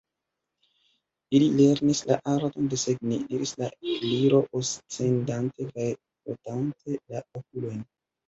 "Ili lernis la arton desegni," diris la Gliro, oscedante kaj frotante la okulojn.